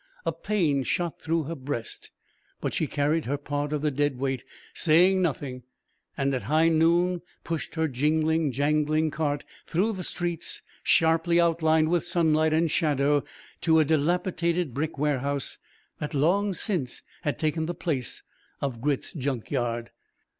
A pain shot through her breast, but she carried her part of the dead weight, saying nothing, and, at high noon, pushed her jingling, jangling cart through streets sharply outlined with sunlight and shadow to a dilapidated brick warehouse that, long since, had taken the place of Grit's junk yard.